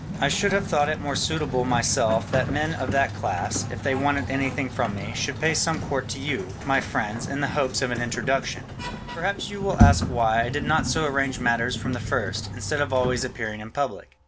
I should have thought it more suitable myself that men of that class, if they wanted anything from me, should pay some court to you, my friends, in the hopes of an introduction. Perhaps you will ask why I did not so arrange matters from the first, instead of always appearing in public.